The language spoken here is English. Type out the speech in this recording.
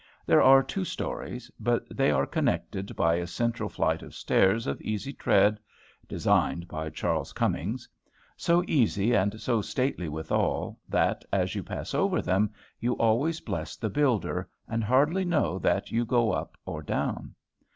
There are two stories; but they are connected by a central flight of stairs of easy tread (designed by Charles Cummings); so easy, and so stately withal, that, as you pass over them, you always bless the builder, and hardly know that you go up or down.